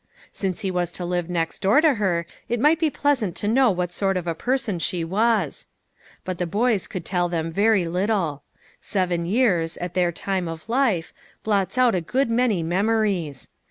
Since he was to live next door to her, it might be pleasant to know what sort of a person she was. But the boys could tell him very little. Seven years, at their time of life, blots out a good many memo ries.